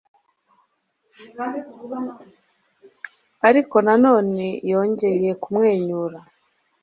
Ariko na none yongeye kumwenyura